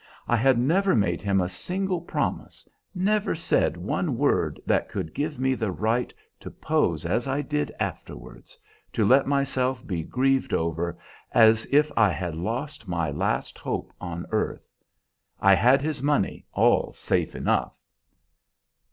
I had never made him a single promise, never said one word that could give me the right to pose as I did afterwards, to let myself be grieved over as if I had lost my last hope on earth. I had his money all safe enough."